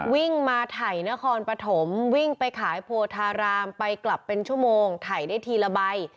วิ่งมาไถ่นครปฐมวิ่งไปขายโพธารามไปกลับเป็นชั่วโมงถ่ายได้ทีละใบ